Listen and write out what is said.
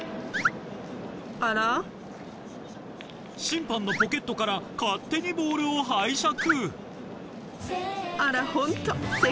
審判のポケットから勝手にボールを拝借。